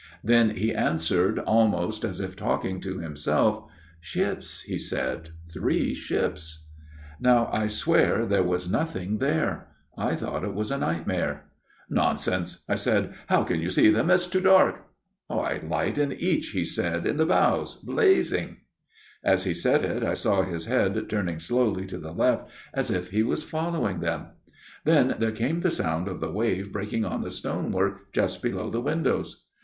" Then he answered, almost as if talking to himself :' Ships,' he said, ' three ships.' 66 A MIRROR OF SHALOTT " Now I swear there was nothing there. I thought it was a nightmare. "' Nonsense/ I said. ' How can you see them ? It's too dark.' ' A light in each/ he said, ' in the bows blazing !'" As he said it I saw his head turning slowly to the left as if he was following them. Then there came the sound of the wave breaking on the stonework just below the windows.